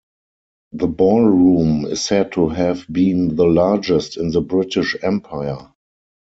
The ballroom is said to have been the largest in the British Empire.